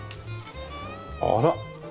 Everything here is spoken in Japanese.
あら。